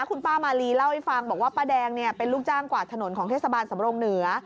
คุณป้ามาลีเล่าให้ฟังบอกว่าป้าแดงเป็นลูกจ้างกวาดถนนของเทศบาลสำรงเหนือ